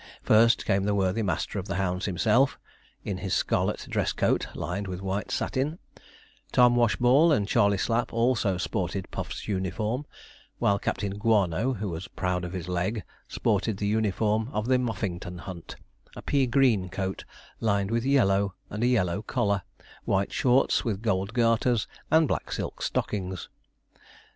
First came the worthy master of the hounds himself, in his scarlet dress coat, lined with white satin; Tom Washball, and Charley Slapp also sported Puff's uniform; while Captain Guano, who was proud of his leg, sported the uniform of the Muffington Hunt a pea green coat lined with yellow, and a yellow collar, white shorts with gold garters, and black silk stockings.